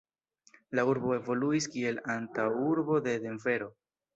La urbo evoluis kiel antaŭurbo de Denvero.